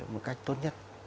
một cách tốt nhất